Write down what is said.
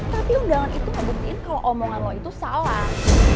tapi undangan itu ngebuktiin kalau omongan lo itu salah